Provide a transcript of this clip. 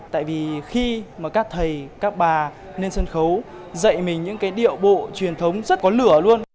tại vì khi mà các thầy các bà lên sân khấu dạy mình những cái điệu bộ truyền thống rất có lửa luôn